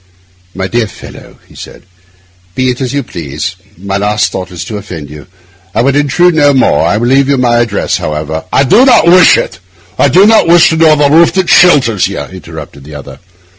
'My dear fellow,' he said, 'be it as you please; my last thought is to offend you. I would intrude on none. I will leave you my address, however—' 'I do not wish it—I do not wish to know the roof that shelters you,' interrupted the other.